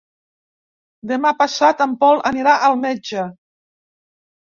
Demà passat en Pol anirà al metge.